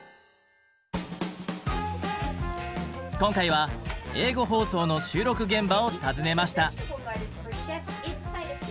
今回は英語放送の収録現場を訪ねました。